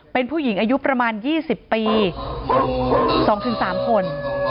เป็นผู้หญิงอายุประมาณยี่สิบปีสองถึงสามคน